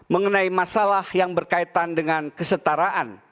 mengenai masalah yang berkaitan dengan kesetaraan